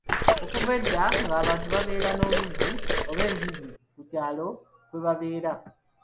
Okuva edda ng'abantu babeera n'oluzzi oba enzizi ku kyalo kwe babeera